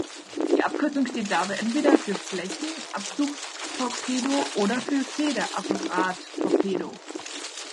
Die Abkürzung steht dabei entweder für Flächen-Absuch-Torpedo oder für Federapparat-Torpedo.